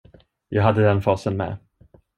Jag hade den fasen med.